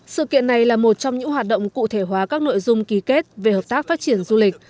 sự kiện này là một trong những hoạt động cụ thể hóa các nội dung ký kết về hợp tác phát triển du lịch